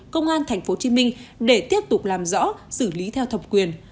công an thành phố hồ chí minh để tiếp tục làm rõ xử lý theo thập quyền